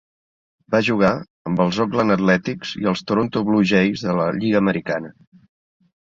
Va jugar amb els Oakland Athletics i els Toronto Blue Jays de la lliga americana.